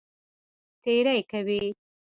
تېری کوي.